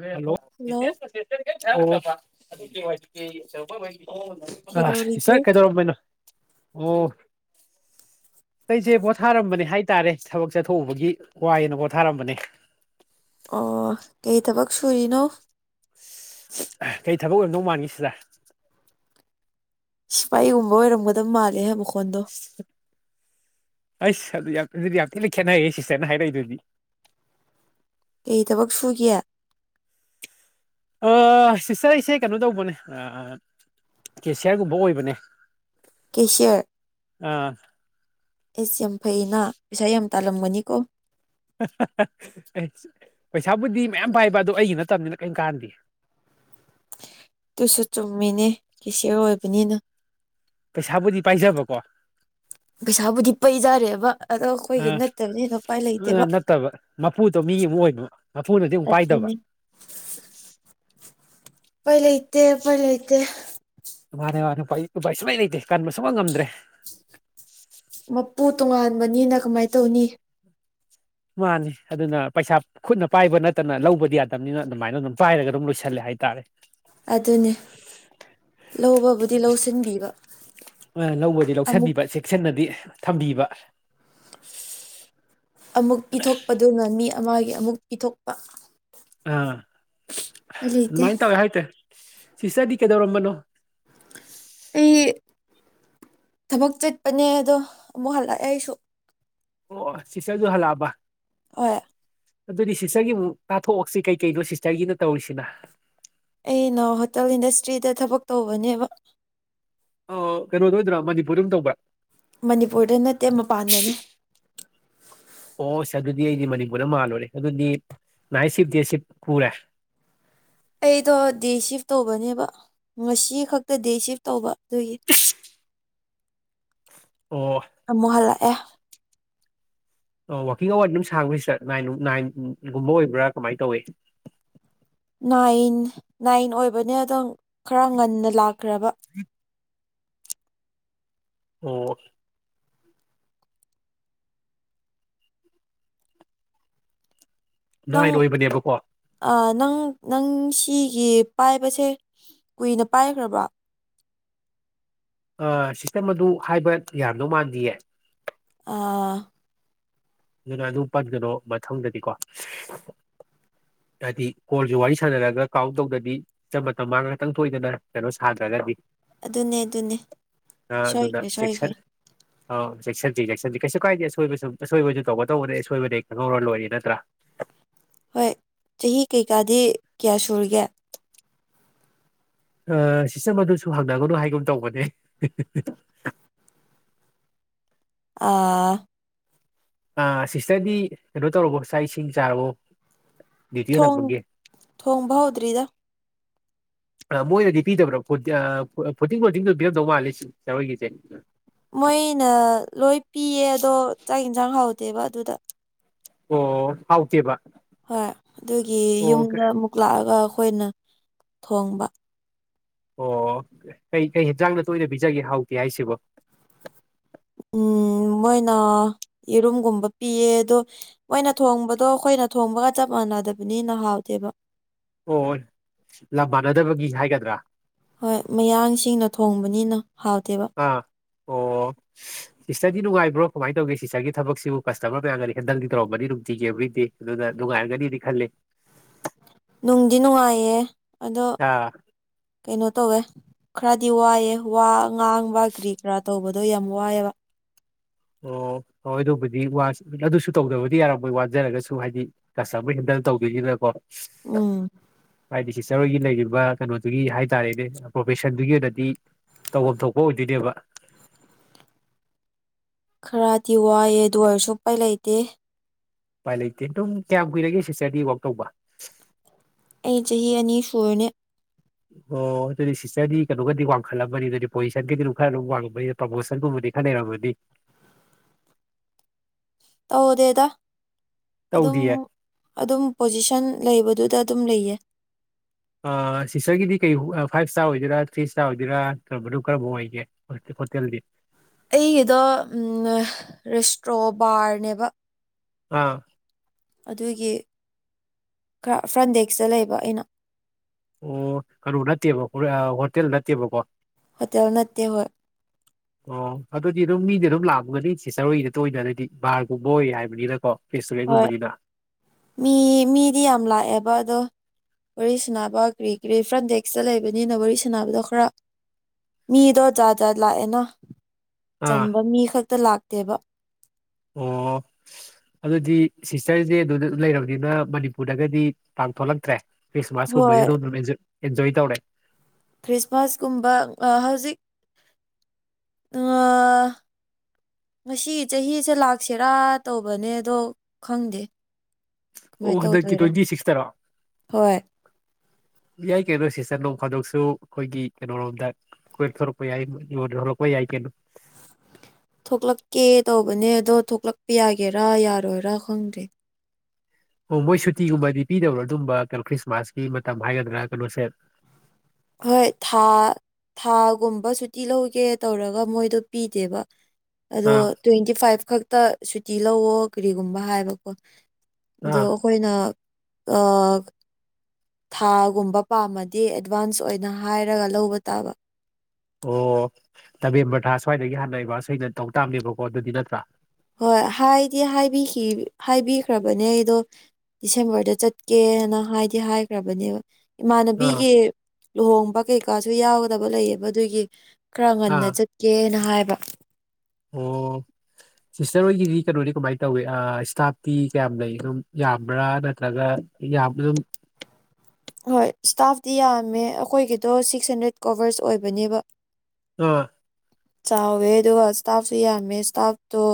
hello ꯑꯣ hello ꯑ ꯀꯩꯗꯧꯔꯤꯒꯦ ꯏꯁꯁ ꯀꯩꯗꯧꯔꯃꯦꯩꯅꯣ ꯑꯣ [unintelligible] ꯑꯩꯁꯦ ꯄꯣꯊꯥꯔꯝꯕꯅꯦ ꯍꯥꯏ ꯇꯔꯦ ꯊꯕꯛ ꯆꯠꯊꯣꯛꯎꯕꯒꯤ ꯋꯥꯏꯅ ꯄꯣꯊꯥꯔꯝꯕꯅꯦ ꯑꯣ ꯀꯩ ꯊꯕꯛ ꯁꯨꯔꯤꯅꯣ ꯀꯩ ꯊꯕꯛ ꯑꯣꯏꯔꯝꯗꯧ ꯃꯥꯟꯒ ꯁꯤꯗ ꯁꯤꯐꯥꯏꯒꯨꯝꯕ ꯑꯣꯏꯔꯝꯒꯗꯕ ꯃꯥꯜꯂꯦ ꯍꯥꯏꯕ [unintelligible] ꯑꯁ ꯑꯗꯨ ꯌꯥꯝ ꯑꯗꯨꯗꯤ ꯌꯥꯝ ꯊꯤꯅ ꯈꯦꯠꯅꯩꯌꯦꯦ ꯁꯤꯁꯇꯔꯅ ꯍꯥꯏꯔꯛꯏꯗꯨꯗꯤ ꯀꯩ ꯊꯕꯛ ꯁꯨꯒꯦ ꯁꯤꯁꯇꯔ ꯑꯩꯁꯦ ꯀꯩꯅꯣ ꯇꯧꯕꯅꯦ ꯀꯦꯁꯤꯌꯥꯔꯒꯨꯝꯕ ꯑꯣꯏꯕꯅꯦ ꯀꯦꯁꯤꯌꯔ ꯑꯥ ꯑꯦꯁꯦ ꯐꯩꯩꯅ ꯄꯩꯁꯥ ꯌꯥꯝ ꯇꯥꯜꯂꯝꯒꯅꯤꯀꯣ [inaudible] ꯄꯩꯁꯥꯕꯨꯗꯤ ꯃꯌꯥꯝ ꯄꯥꯏꯕ ꯑꯣ ꯑꯩꯒꯤ ꯅꯠꯇꯕꯅꯤꯅ ꯀꯦꯝ ꯀꯥꯟꯗꯤ ꯇꯨꯁꯨ ꯆꯨꯝꯃꯤꯅꯦ ꯀꯦꯁꯤ ꯑꯣꯏꯕꯅꯤꯅ ꯄꯩꯁꯥꯕꯨꯗꯤ ꯄꯥꯏꯖꯕꯀꯣ ꯑ ꯄꯩꯁꯥꯕꯨꯗꯤ ꯄꯩꯖꯥꯔꯦꯕ ꯑꯗꯣ ꯑꯩꯈꯣꯏꯒꯤ ꯅꯠꯇꯕꯅꯤꯅ ꯎꯄꯥꯏ ꯑ ꯂꯩꯇꯦꯕ ꯅꯠꯇꯕ ꯃꯄꯨꯗꯣ ꯃꯤ ꯑꯃꯕ ꯃꯄꯨꯅꯗꯤ ꯑꯃꯨꯛ ꯄꯥꯏꯗꯕ ꯄꯥꯏ ꯂꯩ ꯏꯇꯦ ꯄꯥꯏ ꯂꯩ ꯏꯇꯦ ꯃꯥꯅꯦ ꯃꯥꯅꯦꯄꯥ ꯎꯄꯥꯥꯏ ꯁꯨꯃꯩ ꯂꯩꯇꯦ ꯀꯟꯕ ꯁꯨꯡꯕ ꯉꯝꯗ꯭ꯔꯦ ꯃꯄꯨ ꯇꯣꯉꯥꯟꯕꯅꯤꯅ ꯀꯃꯥꯏꯅ ꯇꯧꯅꯤ ꯃꯥꯅꯤ ꯑꯗꯨꯅ ꯄꯩꯁꯥ ꯈꯨꯠꯅ ꯄꯥꯏꯕ ꯅꯠꯇꯅ ꯂꯧꯕꯗꯤ ꯌꯥꯗꯕꯅꯤꯅ ꯑꯗꯨꯃꯥꯏꯅ ꯑꯗꯨꯝ ꯄꯥꯏꯔꯒ ꯑꯗꯨꯝ ꯂꯣꯏꯁꯜꯂꯦ ꯍꯥꯏꯇꯥꯔꯦ ꯑꯗꯨꯅꯦ ꯂꯧꯕꯕꯨꯗꯤ ꯂꯧꯁꯤꯟꯕꯤꯕ ꯑ ꯂꯧꯕꯗꯤ ꯑꯃꯨꯛ ꯂꯧꯁꯤꯟꯕꯤꯕ ꯆꯦꯛꯁꯤꯟꯅꯗꯤ ꯊꯝꯕꯤꯕ ꯑꯃꯨꯛ ꯄꯤꯊꯣꯛꯄꯗꯨꯅ ꯃꯤ ꯑꯃꯒꯤ ꯑꯃꯨꯛ ꯄꯤꯊꯣꯛꯄ ꯎꯄꯥꯏ ꯂꯩꯇꯦ ꯑꯥꯃꯥꯏ ꯇꯕꯦ ꯍꯥꯏꯥꯏꯇ ꯁꯤꯁꯗꯤ ꯀꯩꯗꯧꯔꯝꯕꯅꯣ ꯑꯩ ꯊꯕꯛ ꯆꯠꯄꯅꯦ ꯑꯗꯣ ꯑꯃꯨꯛ ꯍꯜꯂꯛꯑꯦ ꯑꯩꯁꯨ ꯑꯣ ꯁꯤꯇꯁꯨ ꯍꯜꯂꯛꯑꯕ ꯑ [inaudible] ꯑꯗꯨꯗꯤ ꯁꯤꯁꯇꯔꯒꯤ ꯑꯃꯨꯛ ꯇꯥꯊꯣꯛꯑꯁꯤ ꯀꯩ ꯀꯩꯅꯣ ꯁꯤꯁꯇꯔꯒꯤꯅ ꯇꯧꯔꯤꯁꯤꯅ ꯑꯩꯅ ꯍꯣꯇꯦꯜ ꯏꯟꯗꯁꯇ꯭ꯔꯤꯗ ꯊꯕꯛ ꯇꯧꯕꯅꯦꯕ ꯀꯩꯅꯣꯗꯣ ꯑꯣꯏꯗ꯭ꯔꯥ ꯃꯅꯤꯄꯨꯔꯗꯝ ꯇꯧꯕ꯭ꯔꯥ ꯃꯅꯤꯄꯨꯔꯗ ꯅꯠꯇꯦ ꯃꯄꯥꯟꯗꯅꯦ ꯑꯣꯁ ꯑꯗꯨꯗꯤ ꯑꯩꯗꯤ ꯃꯅꯤꯄꯨꯔꯗ ꯃꯥꯜꯂꯨꯔꯦ ꯑꯗꯨꯗꯤ ꯅꯅꯥꯏꯁꯤꯞ ꯗꯦꯁꯤꯞ ꯀꯔ ꯑꯩꯗꯣ ꯗꯦ ꯁꯤꯐ ꯇꯧꯕꯅꯦꯕ ꯉꯁꯤ ꯈꯛꯇ ꯗꯦ ꯁꯤꯐ ꯇꯧꯕ ꯇꯏ ꯑꯣ ꯑꯃꯨꯛ ꯍꯜꯂꯛꯑꯦ ꯋꯥꯋꯥꯛꯀꯤꯡ ꯑꯋꯥꯔ ꯑꯗꯨꯝ ꯁꯥꯡꯈ꯭ꯔꯁꯤꯔ ꯅꯥꯏꯟꯒꯨꯝꯕ ꯑꯣꯏꯕ꯭ꯔꯥ ꯀꯃꯥꯏꯅ ꯇꯧꯏꯤ ꯅꯥꯏꯟ ꯅꯥꯏꯟ ꯑꯣꯏꯕꯅꯦ ꯑꯗꯣ ꯈꯔ ꯉꯟꯅ ꯂꯥꯛꯈ꯭ꯔꯕ ꯑꯣ ꯅꯪ ꯅꯥꯏꯟ ꯑꯣꯏꯕꯅꯦꯕꯀꯣ ꯅꯪ ꯅꯪ ꯁꯤꯒꯤ ꯄꯥꯏꯕꯁꯦ ꯀꯨꯏꯅ ꯄꯥꯏꯈ꯭ꯔꯕ꯭ꯔꯣ ꯁꯤꯁꯇꯦꯝ ꯑꯗꯨ ꯍꯥꯏꯕ ꯌꯥꯝꯗꯧ ꯃꯥꯟꯗꯌꯦ ꯑꯥ ꯑꯗꯨꯅ ꯑꯗꯨ ꯄꯟꯒꯅꯣ ꯃꯊꯪꯗꯗꯤꯀꯣ ꯍꯥꯏꯗꯤ ꯀꯣꯜꯁꯨ ꯋꯥꯔꯤ ꯁꯥꯟꯅꯔꯒ ꯀꯥꯎꯟ ꯇꯧꯗꯗꯤ ꯃꯇꯝ ꯃꯥꯡ ꯈꯥꯛꯇꯪ ꯊꯣꯛꯣꯏꯗꯅ ꯀꯩꯅꯣ ꯁꯥꯗ꯭ꯔꯒꯗꯤ ꯑꯗꯨꯅꯦ ꯑꯗꯨꯅꯦ ꯑꯗꯨꯅ ꯁꯣꯏꯈ꯭ꯔꯦ ꯁꯣꯏꯈ꯭ꯔꯦ ꯆꯦꯛꯁꯟ ꯑꯧ ꯆꯦꯛꯁꯟꯁꯤ ꯆꯦꯛꯁꯟꯁꯤ ꯀꯩꯁꯨ ꯀꯥꯏꯗꯦ ꯑꯁꯣꯏꯕ ꯁꯨꯝ ꯑꯁꯣꯏꯕ ꯇꯧꯕ ꯇꯧꯕꯗ ꯑꯁꯣꯏꯕꯗ ꯈꯪꯍꯧꯔ ꯂꯣꯏꯔ ꯅꯠꯇ꯭ꯔꯥ ꯍꯣꯏ ꯆꯍꯤ ꯀꯩꯀꯥꯗꯤ ꯀꯌꯥ ꯁꯨꯔꯤꯒꯦ ꯁꯤꯁꯇ ꯃꯗꯨꯁꯨ ꯍꯪꯅꯒꯅꯨ ꯍꯥꯏꯒꯨꯝ ꯇꯧꯕꯅꯦ ꯑꯥ ꯑ ꯁꯤꯁꯇꯔꯗꯤ ꯀꯩꯅꯣ ꯇꯧꯔꯕꯣ ꯆꯥꯛ ꯏꯁꯤꯡ ꯆꯥꯔꯕꯣ ꯗ꯭ꯌꯨꯇꯤ ꯊꯣꯡ ꯍꯜꯂꯛꯄꯒꯤ ꯊꯣꯡꯕꯥ ꯎꯗ꯭ꯔꯔꯤꯗ ꯃꯣꯏꯅꯗꯤ ꯄꯤꯗꯕ꯭ꯔꯥ ꯐꯨ ꯐꯨꯗꯤꯡ ꯔꯣꯗꯤꯡꯗ ꯄꯤꯔꯝꯗꯧ ꯃꯥꯜꯂꯤ ꯁꯤ ꯆꯔꯣꯏꯒꯤꯁꯦ ꯃꯣꯏꯅ ꯂꯣꯏ ꯄꯤꯌꯦ ꯑꯗꯣ ꯆꯥꯛ ꯌꯦꯟꯁꯥꯡ ꯍꯥꯎꯗꯦꯕ ꯑꯗꯨꯗ ꯑꯣ ꯍꯧꯥꯎꯇꯦꯕ ꯍꯣꯏ ꯑꯗꯨꯒꯤ ꯌꯨꯝꯗ ꯑꯃꯨꯛ ꯂꯥꯛꯑꯒ ꯑꯩꯈꯣꯏꯅ ꯊꯣꯡꯕ ꯑꯣ ꯑꯩ ꯑꯩ ꯍꯟꯁꯥꯡꯗ ꯇꯣꯏꯅ ꯄꯤꯖꯒꯦ ꯍꯥꯎꯇꯦ ꯍꯥꯏꯁꯤꯕ ꯎꯝ ꯃꯣꯏꯅ ꯌꯦꯔꯨꯝꯒꯨꯝꯕ ꯄꯤꯌꯦ ꯑꯗꯣ ꯃꯣꯏꯅ ꯊꯣꯡꯕꯗꯣ ꯑꯩꯈꯣꯏꯅ ꯊꯣꯡꯕꯒ ꯆꯞ ꯃꯥꯟꯅꯩ ꯁꯥꯟꯅꯗꯕꯅꯤꯅ ꯍꯥꯎꯗꯦꯕ ꯑꯣꯣꯏ ꯂꯝ ꯃꯥꯟꯅꯗꯕꯒꯤ ꯍꯥꯏꯒꯗ꯭ꯔꯥ ꯍꯣꯏ ꯃꯌꯥꯡꯁꯤꯡꯅ ꯊꯣꯡꯕꯅꯤꯅ ꯍꯥꯎꯇꯦꯕ ꯑꯥ ꯑꯣ ꯁꯤꯇꯔꯗꯤ ꯅꯨꯡꯉꯥꯏꯕ꯭ꯔꯣ ꯀꯃꯥꯏꯅ ꯇꯧꯒꯦ ꯁꯤꯇꯔꯒꯤ ꯊꯕꯛꯁꯤꯕꯨ ꯀꯁꯇꯃꯔ ꯃꯌꯥꯝꯒꯔꯤ ꯈꯟꯗꯪꯗꯤ ꯇꯧꯔꯝꯕꯅꯤ ꯅꯨꯡꯇꯤꯖꯦꯕ꯭ꯔꯤꯗꯦ ꯑꯗꯨꯅ ꯅꯨꯡꯉꯥꯏꯔꯒꯅꯤꯗꯤ ꯈꯜꯂꯦ ꯅꯨꯡꯗꯤ ꯅꯨꯡꯉꯥꯏꯌꯦ ꯑꯗꯣ ꯑꯥ ꯀꯩꯅꯣ ꯇꯧꯋꯦ ꯈꯔꯗꯤ ꯋꯥꯏꯑꯦ ꯋꯥ ꯉꯥꯡꯕ ꯀꯔꯤ ꯀꯔꯥ ꯇꯧꯕꯗꯣ ꯌꯥꯝ ꯋꯥꯏꯑꯦꯕ ꯑꯣ ꯍꯣꯏ ꯑꯗꯨꯕꯨꯗꯤ ꯑꯗꯨꯁꯨ ꯇꯧꯗꯕꯗꯤ ꯌꯥꯔꯝꯃꯣꯏ ꯋꯥꯟꯖꯔꯒꯁꯨ ꯍꯥꯏꯗꯤ ꯀꯁꯇ ꯑꯃꯔ ꯍꯟꯗ ꯇꯧꯕꯤꯈꯤ꯭ꯔꯦꯀꯣ ꯎꯝ ꯍꯥꯏꯗꯤ ꯁꯤꯆꯔ ꯍꯣꯏꯒꯤ ꯂꯩꯔꯤꯕ ꯀꯩꯅꯣꯗꯨꯒꯤ ꯍꯥꯏ ꯇꯔꯦꯅꯦ ꯄ꯭ꯔꯣꯐꯦꯁꯟꯗꯨꯒꯤ ꯑꯣꯏꯅꯗꯤ ꯇꯧꯐꯝ ꯊꯣꯛꯄ ꯑꯣꯏꯗꯣꯏꯅꯦꯕ ꯈꯔꯗꯤ ꯋꯥꯏꯑꯦ ꯑꯗꯨ ꯑꯣꯏꯔꯁꯨ ꯎꯄꯥꯏ ꯂꯩꯇꯦ ꯎꯄꯥꯏ ꯂꯩꯇꯦ ꯑꯗꯨꯝ ꯀꯌꯥꯝ ꯀꯨꯏꯔꯒꯦ ꯁꯤꯁꯇꯔꯗꯤ ꯋꯥꯛ ꯇꯧꯕ ꯑꯩ ꯆꯍꯤ ꯑꯅꯤ ꯁꯨꯔꯅꯤ ꯑꯣ ꯑꯗꯨꯗꯤ ꯁꯤꯁꯇꯔꯗꯤ ꯀꯩꯅꯣꯒꯗꯤ ꯋꯥꯡꯈꯠꯂꯝꯕꯅꯤ ꯑꯗꯨꯗꯤ ꯄꯣꯖꯤꯁꯟꯒꯤꯗꯤ ꯑꯗꯨꯝ ꯈꯔ ꯑꯗꯨꯝ ꯋꯥꯡꯉꯕꯅꯤ ꯄ꯭ꯔꯃꯣꯁꯟꯒꯨꯝꯕ ꯗꯤ ꯈꯗꯔꯝꯕꯗꯤ [inaudible] ꯇꯧꯗꯦꯗ ꯑꯗꯨꯝ ꯇꯧꯗꯤꯌꯦ ꯑꯗꯨꯝ ꯄꯣꯖꯤꯁꯟ ꯂꯩꯕꯗꯨꯗ ꯑꯗꯨꯝ ꯂꯩꯌꯦ ꯁꯤꯁꯇꯔꯒꯤꯗꯤ ꯀꯩ ꯐꯥꯏꯚ ꯏꯁꯇꯥꯔ ꯑꯣꯏꯗꯣꯏꯔꯥ ꯊ꯭ꯔꯤ ꯏꯁꯇꯥꯔ ꯑꯣꯏꯗꯣꯏꯔꯥ ꯅꯠꯇ꯭ꯔꯕꯅꯣ ꯀꯔꯝꯕꯥꯎ ꯑꯣꯏꯒꯦ ꯍꯣꯇꯦꯜꯗꯤ ꯑꯩꯒꯤꯗꯣ ꯔꯦꯁꯇ꯭ꯔꯣꯕꯥꯔꯅꯦꯕ ꯑꯥ ꯑꯗꯨꯒꯤ ꯈꯔ ꯐ꯭ꯔꯟꯗꯦꯛꯁꯇ ꯂꯩꯕ ꯑꯩꯅ ꯑꯣ ꯀꯩꯅꯣ ꯅꯠꯇꯦꯕ ꯍꯣꯇꯦꯜ ꯅꯠꯇꯦꯕꯀꯣ ꯍꯣꯇꯦꯜ ꯅꯠꯇꯗꯤ ꯍ ꯑꯣ ꯑꯗꯨꯗꯤ ꯑꯗꯨꯝ ꯃꯤꯗꯤ ꯑꯗꯨꯝ ꯂꯥꯛꯃꯒꯅꯤ ꯁꯤꯆꯔꯣꯏꯗ ꯇꯅꯅꯗꯤ ꯚꯔꯒꯨꯝꯕ ꯑꯣꯏ ꯍꯥꯏꯕꯅꯤꯅꯀꯣ ꯍꯣꯏ ꯔꯦꯁꯇꯨꯔꯦꯟꯒꯨꯝꯕꯅꯤꯅ ꯃꯤ ꯃꯤꯗꯤ ꯌꯥꯝ ꯂꯥꯛꯑꯦꯕ ꯑꯗꯣ ꯋꯥꯔꯤ ꯁꯥꯅꯕ ꯀ꯭ꯔꯤ ꯀ꯭ꯔꯤ ꯐ꯭ꯔꯟ ꯗꯦꯛꯁꯇ ꯂꯩꯕꯅꯤꯅ ꯋꯥꯔꯤ ꯁꯥꯅꯕꯗꯣ ꯈꯔ ꯃꯤꯗꯣ ꯖꯥꯠ ꯖꯥꯠ ꯂꯥꯛꯑꯦꯅ ꯑꯥ ꯆꯝꯕ ꯃꯤ ꯈꯛꯇ ꯂꯥꯛꯇꯦꯕ ꯑꯣ ꯑꯗꯨꯗꯤ ꯁꯤꯁꯇꯔꯁꯦ ꯑꯗꯨꯗ ꯂꯩꯔꯕꯅꯤꯅ ꯃꯅꯤꯄꯨꯔꯗꯒꯗꯤ ꯇꯥꯡ ꯊꯣꯛꯂꯛꯇ꯭ꯔꯦ ꯐꯁ ꯃꯥꯁꯀ ꯃꯥ ꯍꯣꯏ ꯇꯧ ꯑꯦꯟꯖ ꯇꯧꯦ ꯈ꯭ꯔꯤꯁꯃꯥꯁꯀꯨꯝꯕ ꯍꯧꯖꯤꯛ ꯉꯁꯤꯒꯤ ꯆꯍꯤꯁꯦ ꯂꯥꯛꯁꯤꯔꯥ ꯇꯧꯕꯅꯦ ꯑꯗꯣ ꯈꯪꯗꯦ ꯃꯥꯏ ꯑꯣ ꯇꯧ ꯍꯟꯗꯛꯀꯤ ꯇꯔ ꯇ꯭ꯋꯦꯟꯇꯤ ꯁꯤꯛꯁꯇꯔꯣ ꯍꯣꯏꯣꯏ ꯌꯥꯏ ꯀꯩꯅꯣ ꯁꯤꯇꯟꯂꯣꯡꯝ ꯐꯥꯗꯣꯛꯁꯨ ꯑꯩꯈꯣꯏꯒꯤ ꯀꯩꯅꯣꯣꯔꯣꯝꯗ ꯀ ꯊꯣꯛꯂꯛꯄ ꯌꯥꯏꯉꯣꯟꯗ ꯊꯣꯛꯂꯛꯄ ꯌꯥꯏ ꯀꯩꯅꯣ [inaudible] ꯊꯣꯛꯂꯛꯀꯦ ꯇꯧꯕꯅꯦ ꯑꯗꯣ ꯊꯣꯛꯂꯛꯄ ꯌꯥꯒꯦꯔꯥ ꯌꯥꯔꯣꯏꯔꯥ ꯈꯪꯗ꯭ꯔꯦ ꯑꯣ ꯃꯣꯏ ꯁꯨꯇꯤꯒꯨꯝꯕꯗꯤ ꯄꯤꯗꯕ꯭ꯔꯣ ꯑꯗꯨꯝꯕ ꯀꯩꯅꯣ ꯈ꯭ꯔꯤꯁꯃꯥꯁꯀꯤ ꯃꯇꯝ ꯍꯥꯏꯒꯗ꯭ꯔꯥ ꯀꯩꯅꯣꯁꯦ ꯍꯣꯏ ꯊꯥ ꯊꯥꯒꯨꯝꯕ ꯁꯨꯇꯤ ꯂꯧꯒꯦ ꯇꯧꯔꯒ ꯃꯣꯏꯗꯣ ꯄꯤꯗꯦꯕ ꯑꯗꯣ ꯑꯥ ꯇ꯭ꯋꯦꯟꯇꯤ ꯐꯥꯏꯚ ꯈꯛꯇ ꯁꯨꯇꯤ ꯂꯧꯋꯣ ꯀꯔꯤꯒꯨꯝꯕ ꯍꯥꯏꯕꯀꯣ ꯑꯗꯣ ꯑꯥ ꯑꯩꯈꯣꯏꯅ ꯊꯥꯒꯨꯝꯕ ꯄꯥꯝꯃꯗꯤ ꯑꯦꯗꯚꯥꯟꯁ ꯑꯣꯏꯅ ꯍꯥꯏꯔꯒ ꯂꯧꯕ ꯇꯥꯕ ꯈꯔ ꯁ꯭ꯋꯥꯏꯗꯒꯤ ꯍꯥꯟꯅꯩꯕ ꯑꯁꯩꯅ ꯇꯧ ꯇꯥꯝꯅꯦꯕꯀꯣ ꯑꯗꯨꯗꯤ ꯅꯠꯇ꯭ꯔꯥ ꯍꯣꯏ ꯍꯥꯏꯗꯤ ꯍꯥꯏꯕꯤꯈ꯭ꯔꯕꯅꯦ ꯑꯩꯗꯣ ꯗꯤꯁꯦꯝꯕꯔꯗ ꯆꯠꯀꯦꯅ ꯍꯥꯏꯗꯤ ꯍꯥꯏꯈ꯭ꯔꯕꯅꯦꯕ ꯑꯥ ꯏꯃꯥꯟꯅꯕꯤꯒꯤ ꯂꯨꯍꯣꯡꯕ ꯀꯩꯀꯥꯁꯨ ꯌꯥꯎꯒꯗꯕ ꯂꯩꯌꯦꯕ ꯑꯗꯨꯒꯤ ꯈꯔ ꯉꯟꯅ ꯆꯠꯀꯦꯅ ꯍꯥꯏꯕ ꯑꯣꯝ ꯁꯤꯁꯇꯔ ꯍꯣꯏꯒꯤꯗꯤ ꯀꯩꯅꯣꯗꯤ ꯀꯃꯥꯏꯅ ꯇꯧꯋꯤ ꯏꯁꯇꯥꯐꯇꯤ ꯀꯌꯥꯝ ꯂꯩ ꯑꯗꯨꯝ ꯌꯥꯝꯕ꯭ꯔꯥ ꯅꯠꯇ꯭ꯔꯒ ꯑꯩ [inaudible] ꯍꯣꯏ ꯏꯁꯇꯥꯐꯇꯤ ꯌꯥꯝꯃꯦ ꯑꯩꯈꯣꯏꯒꯤꯗꯣ ꯁꯤꯛꯁ ꯍꯟꯗ꯭ꯔꯦꯠ ꯀꯣꯚꯔꯁ ꯑꯣꯏꯕꯅꯦꯕ ꯑꯥ ꯆꯋꯦꯗꯒꯁꯇꯥꯞꯁꯨꯃꯦ ꯏꯁꯇꯥꯞꯣ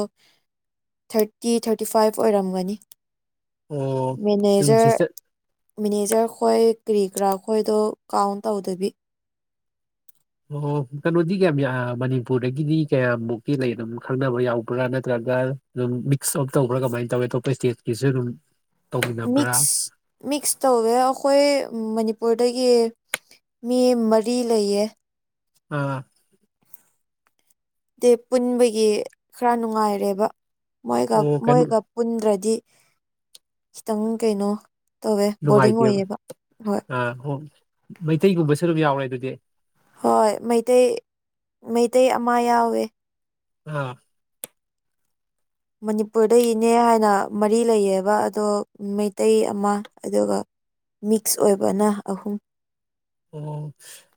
ꯊꯥꯔꯇꯤ ꯊꯥꯔꯇꯤ ꯐꯥꯏꯚ ꯑꯣꯏꯔꯝꯒꯅꯤ ꯑꯣ ꯑꯗꯨꯝ ꯃꯅꯦꯖꯔ ꯁꯤꯁꯇꯔ ꯃꯦꯅꯦꯖꯔ ꯑꯩꯈꯣꯏ ꯀꯔꯤ ꯀꯔꯥ ꯑꯩꯈꯣꯏꯗꯣ ꯀꯥꯎꯟ ꯇꯧꯗꯕꯤ ꯑꯣ ꯀꯩꯅꯣꯗꯤ ꯀꯌꯥꯝ ꯃꯅꯤꯄꯨꯔꯗꯒꯤꯗꯤ ꯀꯌꯥꯃꯨꯛꯀꯤ ꯂꯩ ꯑꯗꯨꯝ ꯈꯪꯅꯕ ꯌꯥꯎꯕ꯭ꯔꯥ ꯅꯠꯇ꯭ꯔꯒꯅ ꯑꯗꯨ ꯃꯤꯛꯁ ꯑꯞ ꯇꯧꯕ꯭ꯔꯥ ꯀꯃꯥꯏꯅ ꯇꯧꯋꯦ ꯑꯇꯣꯞꯄ ꯏꯁꯇꯦꯠꯀꯤꯁꯨ ꯑꯗꯨꯝ ꯇꯧꯃꯤꯟꯅꯕ꯭ꯔꯥ ꯃꯤꯁ ꯃꯤꯛꯁ ꯇꯧꯋꯦ ꯑꯩꯈꯣꯏ ꯃꯅꯤꯄꯨꯔ ꯑꯗꯒꯤ ꯃꯤ ꯃꯔꯤ ꯂꯩꯌꯦ ꯑꯥ ꯗ ꯄꯨꯟꯕꯒꯤ ꯈꯔ ꯅꯨꯡꯉꯥꯏꯔꯦꯕ ꯃꯣꯏꯒ ꯑꯣ ꯀꯩꯅꯣ ꯃꯣꯏꯒ ꯄꯨꯟꯗ꯭ꯔꯗꯤ ꯈꯤꯇꯪ ꯀꯩꯅꯣ ꯇꯧꯋꯦ ꯕꯣꯔꯗꯤꯡ ꯅꯨꯡꯉꯥꯏꯇꯦꯕ ꯑꯣꯏꯌꯦꯕ ꯍꯣꯏ ꯑꯥ ꯑꯣ ꯃꯩꯇꯩꯒꯨꯝꯕꯁꯨ ꯑꯗꯨꯝ ꯌꯥꯎꯔꯦ ꯑꯗꯨꯗꯤ ꯍꯣꯏ ꯃꯩꯇꯩ ꯃꯩꯇꯩ ꯑꯃ ꯌꯥꯎꯋꯦ ꯑꯥ ꯃꯅꯤꯄꯨꯔꯗꯒꯤꯅꯦ ꯍꯥꯏꯅ ꯃꯔꯤ ꯂꯩꯌꯦꯕ ꯑꯗꯣ ꯃꯩꯇꯩ ꯑꯃ ꯑꯗꯨꯒ ꯃꯤꯛꯁ ꯑꯣꯏꯕꯅ ꯑꯍꯨꯝ ꯑꯣ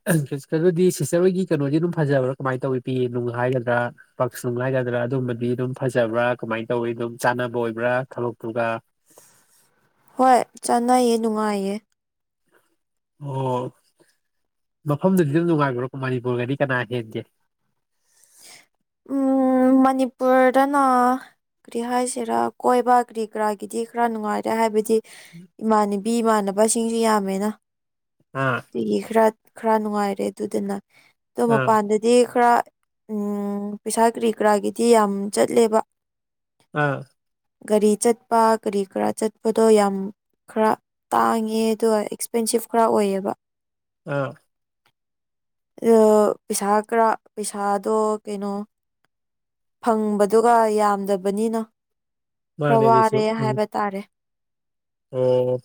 ꯑꯗꯨꯩꯅꯗꯤ ꯁꯤꯁꯇꯔ ꯍꯣꯏꯒꯤ ꯀꯩꯅꯣꯗꯤ ꯑꯗꯨꯝ ꯐꯖꯕ꯭ꯔꯥ ꯀꯃꯥꯏꯅ ꯇꯧꯋꯤ ꯄꯤ ꯅꯨꯡ ꯍꯥꯏꯒꯗ꯭ꯔꯥ ꯄꯛꯁꯨꯡ ꯍꯥꯏꯒꯗ꯭ꯔꯥ ꯑꯗꯨꯝꯕꯗꯤ ꯑꯗꯨꯝ ꯐꯖꯕ꯭ꯔꯥ ꯀꯃꯥꯏꯅ ꯇꯧꯋꯤ ꯑꯗꯨꯝ ꯆꯥꯅꯕ ꯑꯣꯏꯕ꯭ꯔꯥ ꯈꯂꯛꯇꯨꯒ ꯍꯣꯏ ꯆꯥꯟꯅꯩꯌꯦ ꯅꯨꯡꯉꯥꯏꯌꯦ ꯑꯣꯝ ꯃꯐꯝꯗꯨꯗꯤ ꯑꯗꯨꯝ ꯅꯨꯡꯉꯥꯏꯈ꯭ꯔꯣꯀꯣ ꯃꯅꯤꯄꯨꯔꯒꯗꯤ ꯀꯅꯥ ꯍꯦꯟꯒꯦ ꯎꯝ ꯃꯅꯤꯄꯨꯔꯗꯅ ꯀꯔꯤ ꯍꯥꯏꯁꯤꯔꯥ ꯀꯣꯏꯕ ꯀꯔꯤ ꯀꯔꯥꯒꯤꯗꯤ ꯈꯔ ꯅꯨꯡꯉꯥꯏꯔꯦ ꯍꯥꯏꯕꯗꯤ ꯏꯃꯥꯟꯅꯕꯤ ꯏꯃꯥꯟꯅꯕꯁꯤꯡꯁꯨ ꯌꯥꯝꯃꯦꯅ ꯑꯥ ꯑꯗꯒꯤ ꯈꯔ ꯈꯔ ꯅꯨꯡꯉꯥꯏꯔꯦ ꯑꯗꯨꯗꯨꯅ ꯑꯣ ꯑꯥ ꯃꯄꯥꯟꯗꯗꯤ ꯈꯔ ꯎꯝ ꯄꯩꯁꯥ ꯀꯔꯤ ꯀꯔꯥꯒꯤꯗꯤ ꯌꯥꯝ ꯆꯠꯂꯦꯕ ꯑꯥ ꯒꯥꯔꯤ ꯆꯠꯄ ꯀꯔꯤ ꯀꯔꯥ ꯆꯠꯄꯗꯣ ꯌꯥꯝ ꯈꯔ ꯇꯥꯡꯉꯦ ꯑꯗꯨꯒ ꯑꯦꯛꯁꯄꯦꯟꯁꯤꯞ ꯈꯔ ꯑꯣꯏꯌꯦꯕ ꯑꯥ ꯑ ꯄꯤꯁꯥ ꯀꯔ ꯄ ꯄꯩꯁꯥꯗꯣ ꯀꯩꯅꯣ ꯐꯪꯕꯗꯨꯒ ꯌꯥꯝꯗꯕꯅꯤꯅ ꯈꯔ ꯃꯥꯅꯦ ꯑꯗꯨꯁꯨ ꯋꯥꯔꯦ ꯎꯝ ꯍꯥꯏꯕ ꯇꯥꯔꯦ ꯑꯣ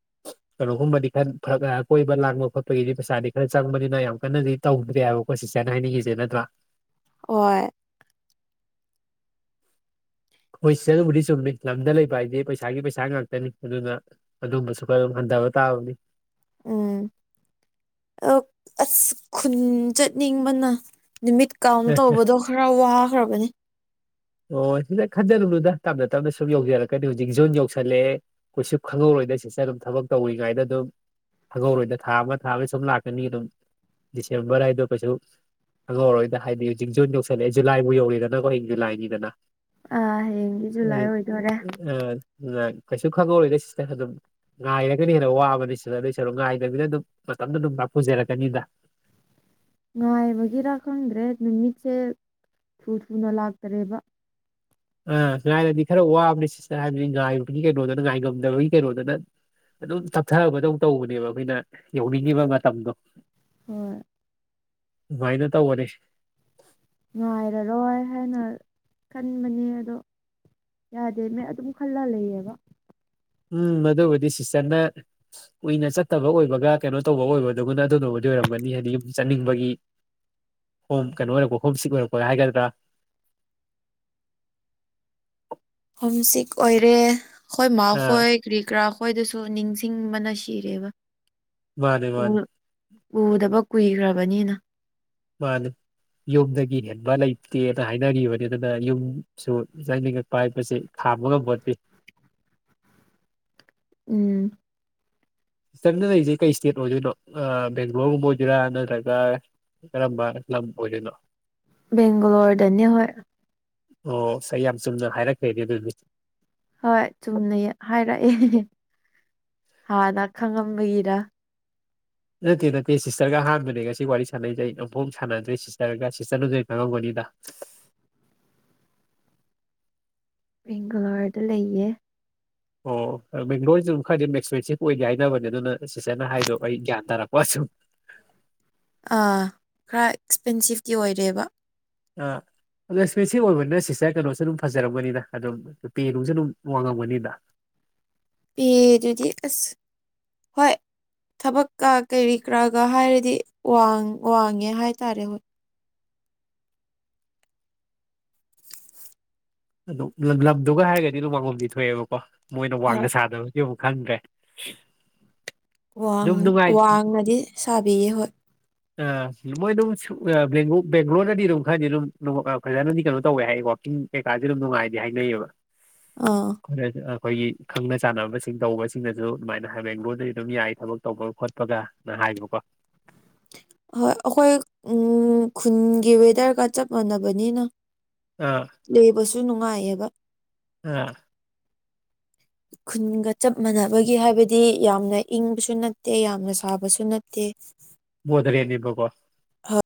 [inaudible] ꯀꯩꯅꯣꯒꯨꯝꯕꯗꯤ ꯈꯔꯔ ꯑ ꯀꯣꯏꯕ ꯂꯥꯡꯕ ꯈꯣꯠꯄꯒꯤꯗꯤ ꯄꯩꯁꯥꯗꯤ ꯈꯔ ꯆꯪꯕꯅꯤꯅ ꯌꯥꯝ ꯀꯟꯅꯗꯤ ꯇꯧꯗ꯭ꯔꯦ ꯍꯥꯏꯕꯀꯣ ꯁꯤꯁꯦ ꯅ ꯍꯥꯏꯅꯤꯡꯉꯤꯁꯦ ꯅꯠꯇ꯭ꯔꯥ ꯍꯣꯏ ꯍꯣꯏ ꯆ ꯑꯗꯨꯕꯨꯗꯤ ꯆꯨꯝꯃꯤ ꯂꯝꯗ ꯂꯩꯕ ꯍꯥꯏꯗꯤ ꯄꯩꯁꯥꯒꯤ ꯄꯩꯁꯥ ꯉꯥꯛꯇꯅꯤ ꯑꯗꯨꯅ ꯑꯗꯨꯝꯕꯁꯨ ꯈꯔ ꯑꯗꯨꯗꯕ ꯇꯕꯅꯤ ꯎꯝ ꯑꯁ ꯈꯨꯟ ꯆꯠꯅꯤꯡꯕꯅ ꯅꯨꯃꯤꯠ ꯀꯥꯎꯟ ꯇꯧꯕꯗꯣ ꯈꯔ ꯋꯥꯈ꯭ꯔꯕꯅꯤ ꯑꯣ ꯁꯤꯗ ꯈꯟꯖꯅꯨꯅꯨꯗ ꯇꯞꯅ ꯇꯞꯅ ꯁꯨꯝ ꯌꯧꯖꯔꯛꯀꯅꯤ ꯍꯧꯖꯤꯛ ꯖꯣꯟ ꯌꯧꯁꯜꯂꯛꯑꯦ ꯀꯈꯣꯏꯁꯨ ꯈꯪꯍꯧꯔꯦ ꯑꯩꯈꯣꯏꯗꯩ ꯁꯤꯁꯦ ꯑꯗꯨꯝ ꯊꯕꯛ ꯇꯧꯔꯤꯉꯩꯗ ꯑꯗꯨꯝ ꯈꯪꯍꯧꯔꯣꯏꯗ ꯊꯥ ꯑꯃ ꯊꯥ ꯑꯃ ꯁꯨꯝ ꯂꯥꯛꯀꯅꯤ ꯑꯗꯨꯝ ꯁꯦ ꯔꯏꯗꯣ ꯄꯁꯨ ꯑꯉꯧꯔꯣꯏꯗ ꯍꯥꯏꯗꯤ ꯍꯧꯖꯤꯛ ꯖꯣꯏ ꯌꯧꯁꯂꯑ ꯖꯨꯂꯥꯏꯕꯨ ꯌꯧꯔꯤꯗꯅꯀꯣ ꯍ ꯨꯂꯥꯏꯅꯤ ꯑꯥ ꯍꯌꯦꯡꯗꯤ ꯑ ꯖꯨꯂꯥꯏ ꯑꯣꯏꯗꯣꯔꯦ ꯀꯩꯁꯨ ꯈꯪꯍꯧꯔꯤ ꯅ ꯁꯤꯗ ꯑꯗꯨꯝ ꯉꯥꯏꯔꯒꯅ ꯍꯦꯟꯅ ꯋꯥꯕꯅꯤ ꯁꯤꯗ ꯑꯗꯨ ꯁꯔꯨ ꯉꯥꯏꯗꯕꯤꯅ ꯑꯗꯨꯝ ꯃꯇꯝꯗ ꯑꯗꯨꯝ ꯄ ꯄꯨꯖꯦꯔ ꯀꯅꯤꯗ ꯉꯥꯏꯕꯒꯤꯔꯥ ꯈꯪꯗ꯭ꯔꯦ ꯅꯨꯃꯤꯠꯁꯦ ꯊꯨ ꯊꯨꯅ ꯂꯥꯛꯇꯔꯦꯕ ꯑ ꯉꯥꯏꯔꯗꯤ ꯈꯔ ꯋꯥꯕꯅꯦ ꯁꯤꯁꯇ ꯍꯥꯏꯕꯗꯤ ꯉꯥꯏꯕꯒꯤ ꯀꯩꯅꯣꯗꯅ ꯉꯥꯏꯉꯝꯗꯕꯒꯤ ꯀꯩꯅꯣꯗꯅ ꯑꯗꯨꯝ ꯆꯞꯊꯕꯗꯧ ꯇꯧꯕꯅꯦꯕ ꯑꯩꯈꯣꯏꯅ ꯌꯧꯅꯤꯡꯉꯤꯕ ꯃꯇꯝꯗꯣ ꯍꯣꯏ ꯑꯗꯨꯨꯃꯥꯏꯅ ꯇꯧꯧꯕꯅꯤ ꯉꯉꯥꯏꯔꯔꯣꯏ ꯍꯥꯏꯅ ꯈꯟꯕꯅꯦ ꯑꯗꯣ ꯌꯥꯗꯦ ꯃ ꯑꯗꯨꯝ ꯈꯜꯂ ꯂꯩꯌꯦꯕ ꯎꯝ ꯑꯗꯨꯕꯨꯗꯤ ꯁꯤꯁꯇꯔꯟꯅ ꯀꯨꯏꯅ ꯆꯠꯇꯕ ꯑꯣꯏꯕꯒ ꯀꯩꯅꯣ ꯇꯧꯕ ꯑꯣꯏꯕꯗꯨꯕꯨꯅ ꯑꯗꯨꯅꯕꯨꯅꯤ ꯑꯗꯨ ꯑꯣꯏꯔꯝꯒꯅꯤ ꯍꯥꯏꯗꯤ ꯌꯨꯝ ꯆꯠꯅꯤꯡꯕꯒꯤ ꯍꯣꯝ ꯀꯩꯅꯣ ꯑꯣꯏꯔꯛꯄ ꯍꯣꯝ ꯁꯤꯛ ꯑꯣꯏꯔꯛꯄ ꯍꯥꯏꯒꯗ꯭ꯔꯥ [unintelligible] ꯆꯤꯛ ꯑꯣꯏꯔꯦ ꯑꯩꯈꯣꯏ ꯑꯥ ꯃꯥꯈꯣꯏ ꯀ꯭ꯔꯤ ꯀꯔꯥ ꯈꯣꯏꯁꯨ ꯁ ꯅꯤꯡꯁꯤꯡꯕꯅ ꯁꯤꯔꯦꯕ ꯃꯥꯅꯦ ꯃꯥꯅꯤ ꯎꯗꯕ ꯀꯨꯏꯈ꯭ꯔꯕꯅꯤꯅ ꯃꯥꯅꯤ ꯌꯨꯝꯗꯒꯤ ꯍꯦꯟꯕ ꯂꯩꯇꯦꯅ ꯍꯥꯏꯅꯔꯤꯕꯅꯤ ꯑꯗꯨꯅ ꯌꯨꯝꯁꯨ ꯆꯥꯏꯅꯤꯡꯉꯛꯄ ꯍꯥꯏꯕꯁꯤ ꯍꯥꯃꯒꯝ ꯐꯗꯤ [unintelligible] ꯎꯝ ꯆꯪꯅ ꯂꯩꯔꯤꯁꯦ ꯀꯩ ꯏꯁꯇꯦꯠ ꯑꯣꯏꯗꯣꯏꯅꯣ ꯕꯦꯡꯒ꯭ꯂꯣꯔꯒꯨꯝꯕ ꯑꯣꯏꯗꯣꯏꯔꯥ ꯅꯠꯇ꯭ꯔꯒ ꯂꯔꯝꯕ ꯂꯝ ꯑꯣꯏꯅꯣ ꯕꯦꯡꯒꯂꯣꯔꯗꯅꯤ ꯍ ꯑꯣꯁ ꯑꯩ ꯌꯥꯝ ꯆꯨꯝꯅ ꯍꯥꯏꯔꯛꯈ꯭ꯔꯦꯗꯤ ꯑꯗꯨꯅꯤ ꯍꯣꯏ ꯆꯨꯝꯅ ꯍꯥꯏꯔꯛꯑꯦ ꯍꯥꯟꯅ ꯈꯪꯉꯝꯕꯒꯤꯔ ꯅꯠꯇꯦ ꯅꯠꯇꯦ ꯁꯤꯁꯇꯔꯒ ꯑꯍꯥꯟꯕꯅꯦꯒ ꯁꯤ ꯋꯥꯔꯤ ꯁꯥꯟꯅꯩꯖꯩ ꯅꯨꯐꯣꯡ ꯁꯥꯟꯅꯗ꯭ꯔꯦ ꯁꯤꯁꯇꯔꯒ ꯁꯤꯁꯇꯔꯅꯗ ꯈꯪꯉꯝꯒꯅꯤ ꯗ [unintelligible] ꯕꯦꯡꯒꯂꯥꯔꯗ ꯂꯩꯌꯦ ꯑꯣ ꯕꯒ꯭ꯂꯣꯔꯁꯨ ꯑꯗꯨꯝ ꯈꯔꯗꯤ ꯑꯗꯨꯝ ꯑꯦꯛꯁꯄꯦꯟꯁꯤꯞ ꯑꯣꯏꯒꯦ ꯍꯥꯏꯅꯕꯅꯦ ꯑꯗꯨꯅ ꯁꯤꯁꯔꯅ ꯍꯥꯏꯗꯣ ꯑꯩ ꯒ꯭ꯌꯥꯟ ꯇꯥꯔꯛꯄ ꯑꯁ [unintelligible] ꯈꯔ ꯑꯦꯛꯁꯄꯦꯟꯁꯤꯞꯀꯤ ꯑꯣꯏꯔꯦꯕ ꯑꯥ ꯑꯗꯨꯣ ꯑꯦꯛꯁꯄꯦꯟꯁꯤꯞ ꯑꯣꯏꯕꯅꯤꯅ ꯁꯤꯁꯇꯔ ꯀꯩꯅꯣꯁꯨ ꯑꯗꯨꯝ ꯐꯖꯔꯝꯒꯅꯤꯗ ꯑꯗꯨꯝ ꯅꯨ ꯄꯦ ꯅꯨꯡꯁꯨ ꯑꯗꯨꯝ ꯋꯥꯡꯉꯝꯒꯅꯤꯗ ꯑꯦ ꯑꯗꯨꯗꯤ ꯀꯁ ꯍꯣꯏ ꯊꯕꯛꯀ ꯀꯔꯤ ꯀꯔꯥꯒ ꯍꯥꯏꯔꯗꯤ ꯋꯥꯡꯉꯦ ꯍꯥꯏ ꯇꯔꯦ ꯍꯣꯏ ꯑꯗꯨꯝ ꯂꯝꯗꯨꯒ ꯍꯥꯏꯔꯒꯗꯤ ꯑꯗꯨꯝ ꯋꯥꯡꯒꯣꯝꯗꯤ ꯊꯣꯛꯑꯦꯕꯀꯣ ꯃꯣꯏꯅ ꯍꯣꯏ ꯋꯥꯡꯗ ꯁꯥꯗꯕꯗꯤ ꯈꯪ꯭ꯔꯦ ꯋꯥꯡ ꯋꯥꯡꯅꯗꯤ ꯁꯥꯕꯤꯌꯦ ꯍꯣꯏ ꯑ ꯃꯣꯏ ꯑꯗꯨꯝꯕ ꯕꯦꯡꯒ꯭ꯂꯣꯔꯅꯗꯤ ꯑꯗꯨꯝ ꯈꯔꯅꯤ ꯑꯗꯨꯝ ꯐꯖꯥꯅꯗꯤ ꯀꯩꯅꯣ ꯇꯧꯋꯦ ꯍꯥꯏꯀꯣ ꯀꯩꯀꯥꯁ ꯑꯗꯨ ꯅꯨꯡꯉꯥꯏ ꯍꯥꯏꯅꯩꯌꯦꯕ ꯑꯥ ꯑꯩꯈꯣꯏꯒꯤ ꯈꯪꯅ ꯆꯥꯟꯅꯕꯁꯤꯡ ꯇꯧꯕꯁꯤꯡꯅꯁꯨ ꯑꯗꯨꯃꯥꯏꯅ ꯍꯥꯏ ꯕꯦꯡꯒꯂꯣꯔꯗꯗꯤ ꯑꯗꯨꯝ ꯌꯥꯏ ꯊꯕꯛ ꯇꯧꯕ ꯈꯣꯠꯄꯒ ꯍꯥꯏ ꯃꯀꯣ [inaudible] ꯍꯣꯏ ꯑꯩꯈꯣꯏ ꯎ ꯈꯨꯟꯒꯤ ꯋꯦꯗꯔꯒ ꯆꯞ ꯃꯥꯟꯅꯕꯅꯤꯅ ꯑ ꯂꯩꯕꯁꯨ ꯅꯨꯡꯉꯥꯏꯌꯦꯕ ꯎꯝ [inaudible] ꯈꯨꯟꯒ ꯆꯞ ꯃꯥꯟꯅꯕꯒꯤ ꯍꯥꯏꯕꯗꯤ ꯌꯥꯝꯅ ꯏꯪꯕꯁꯨ ꯅꯠꯇꯦ ꯌꯥꯝꯅ ꯁꯥꯕꯁꯨ ꯅꯠꯇꯦ ꯃꯗꯔꯤꯅꯤꯕꯒ